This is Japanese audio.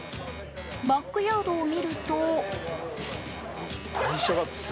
バックヤードを見ると。